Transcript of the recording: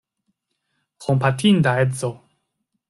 Kompatinda edzo!